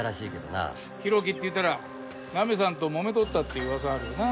浩喜っていったらナミさんともめとったって噂あるよな。